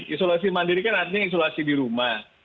isolasi mandiri kan artinya isolasi di rumah